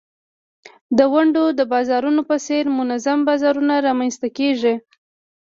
د ونډو د بازارونو په څېر منظم بازارونه رامینځته کیږي.